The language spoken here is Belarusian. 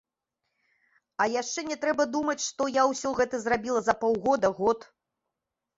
А яшчэ не трэба думаць, што я ўсё гэта зрабіла за паўгода-год.